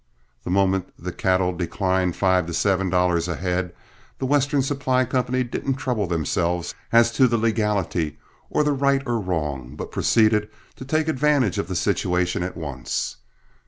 The moment that cattle declined five to seven dollars a head, The Western Supply Company didn't trouble themselves as to the legality or the right or wrong, but proceeded to take advantage of the situation at once.